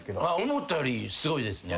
思ったよりすごいですね。